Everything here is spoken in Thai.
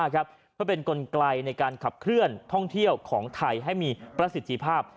เพื่อเป็นกลไกลในการขับเคลื่อนท่องเที่ยวของไทยให้มีประสิทธิภาพ